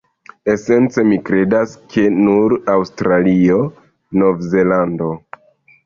Esence mi kredas, ke nur Aŭstralio, Nov-Zelando